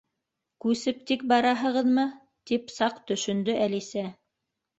—Күсеп тик бараһығыҙмы? —тип саҡ төшөндө Әлисә.